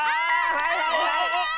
はいはいはい！